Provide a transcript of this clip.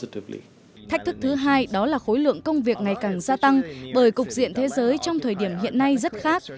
thách thức thứ hai đó là khối lượng công việc ngày càng gia tăng bởi cục diện thế giới trong thời điểm hiện nay rất khác